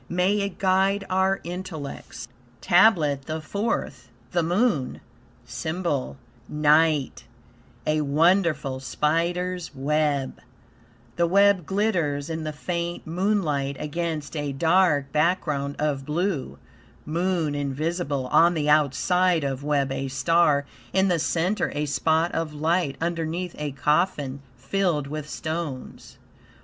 May it guide our intellects." TABLET THE FOURTH The Moon SYMBOL NIGHT A wonderful spider's web; The web glitters in the faint moonlight against a dark background of blue; moon invisible; on the outside of web a star, in the center a spot of light, underneath a coffin filled with stones.